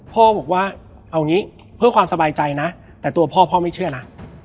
พ่อบอกว่าเอางี้เพื่อความสบายใจนะแต่ตัวพ่อพ่อไม่เชื่อนะ